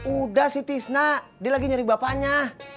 udah si tisna dia lagi nyari bapaknya